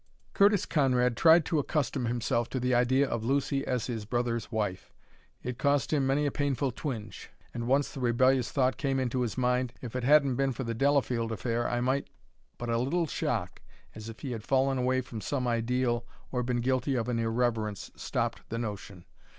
Curtis Conrad tried to accustom himself to the idea of Lucy as his brother's wife. It cost him many a painful twinge, and once the rebellious thought came into his mind, "If it hadn't been for the Delafield affair I might " But a little shock, as if he had fallen away from some ideal or been guilty of an irreverence, stopped the notion.